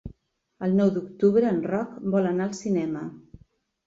El nou d'octubre en Roc vol anar al cinema.